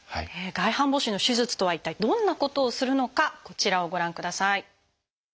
外反母趾の手術とは一体どんなことをするのかこちらをご覧ください。